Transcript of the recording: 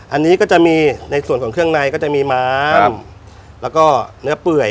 อันนี้ก็จะมีในส่วนของเครื่องในก็จะมีม้ามแล้วก็เนื้อเปื่อย